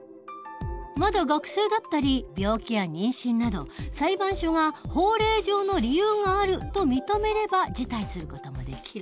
まだ学生だったり病気や妊娠など裁判所が法令上の理由があると認めれば辞退する事もできる。